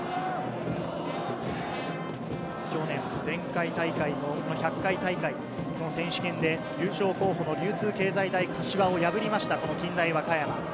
去年、前回大会の１００回大会、選手権で優勝候補の流通経済大柏を破りました近大和歌山。